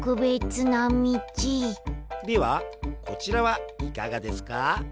ではこちらはいかがですか？